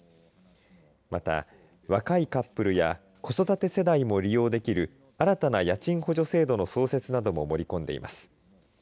また、若いカップルや子育て世代も利用できる新たな家賃補助制度の創設なども盛り込んでいます。